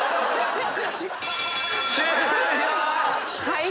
はい？